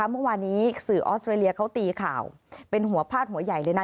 เมื่อวานี้สื่อออสเตรเลียเขาตีข่าวเป็นหัวพาดหัวใหญ่เลยนะ